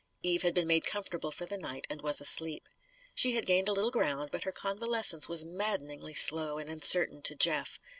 Eve had been made comfortable for the night and was asleep. She had gained a little ground, but her convalescence was maddeningly slow and uncertain to Jeff.